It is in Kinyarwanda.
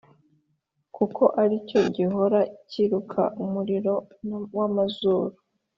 kuko ari cyo gihoraa kiruka umuriro w’amazuku,